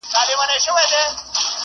اوس د شپېتو بړیڅو توري هندوستان ته نه ځي؛